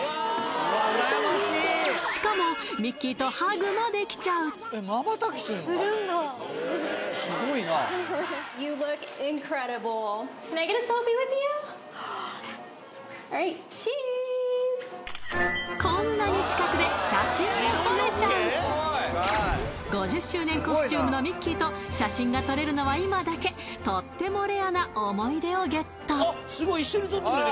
しかもミッキーとハグもできちゃうＡｌｌｒｉｇｈｔ，ｃｈｅｅｓｅこんなに近くで写真も撮れちゃう５０周年コスチュームのミッキーと写真が撮れるのは今だけとってもレアな思い出をゲット